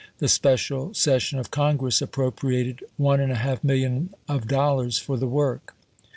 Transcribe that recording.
The special session of Congress appropriated one and a half million of dollars for the work.